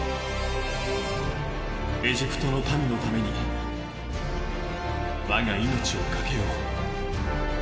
エジプトの民のために我が命をかけよう。